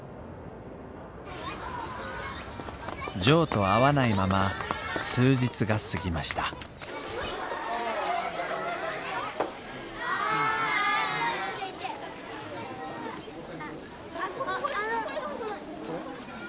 ジョーと会わないまま数日が過ぎましたあ！